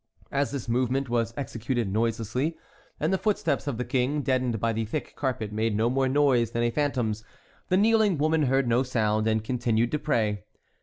As this movement was executed noiselessly, and the footsteps of the king, deadened by the thick carpet, made no more noise than a phantom's, the kneeling woman heard no sound, and continued to pray.